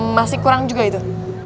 masih kurang juga itu